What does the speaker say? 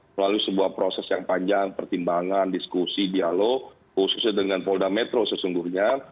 melalui sebuah proses yang panjang pertimbangan diskusi dialog khususnya dengan polda metro sesungguhnya